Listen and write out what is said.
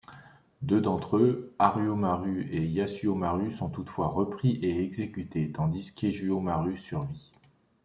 Deux d'entre eux, Haruō-maru et Yasuō-maru, sont toutefois repris et exécutés, tandis qu'Eijuō-maru survit.